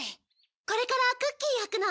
これからクッキー焼くの。